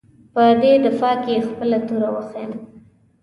په دې دفاع کې خپله توره وښیيم.